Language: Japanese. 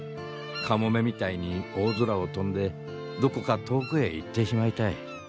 カモメみたいに大空を飛んでどこか遠くへ行ってしまいたい。